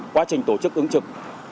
quá trình tổ chức ứng trực